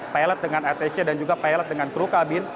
pilot dengan atc dan juga pilot dengan kru kabin